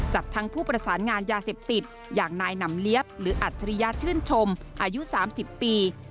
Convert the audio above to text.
ทั้งผู้ประสานงานยาเสพติดอย่างนายหนำเลี้ยบหรืออัจฉริยะชื่นชมอายุ๓๐ปี